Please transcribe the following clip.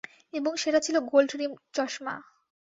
এবং সেটা ছিল গোন্ড রিম চশমা।